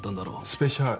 スペシャ何？